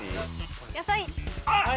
野菜！